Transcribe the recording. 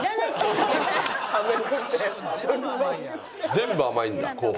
全部甘いんだ後半。